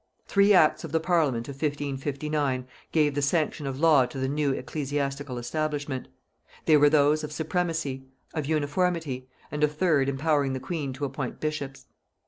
Three acts of the parliament of 1559 gave the sanction of law to the new ecclesiastical establishment; they were those of Supremacy, of Uniformity, and a third empowering the queen to appoint bishops.